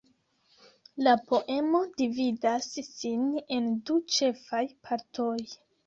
La poemo dividas sin en du ĉefaj partoj.